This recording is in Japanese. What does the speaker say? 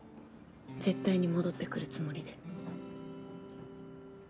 絶対に戻ってくるつもりで。